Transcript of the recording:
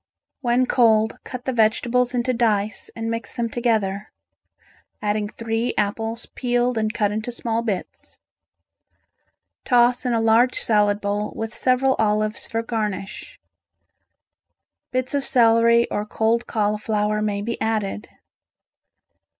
When cold, cut the vegetables into dice and mix them together, adding three apples peeled and cut into small bits. Toss in a large salad bowl with several olives for garnish. Bits of celery or cold cauliflower may be added.